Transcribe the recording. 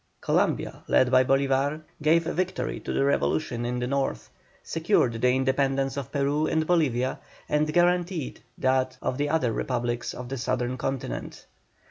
Columbia, led by Bolívar, gave victory to the revolution in the North; secured the independence of Peru and Bolivia, and guaranteed that of the other Republics of the Southern Continent.